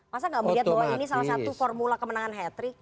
masa gak melihat bahwa ini salah satu formula kemenangan hat trick